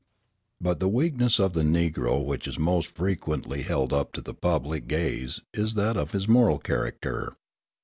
But the weakness of the Negro which is most frequently held up to the public gaze is that of his moral character.